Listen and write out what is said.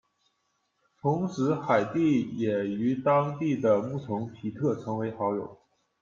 同时海蒂也与当地的牧童皮特成为好友。